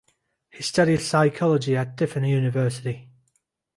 He studied psychology at Tiffin University.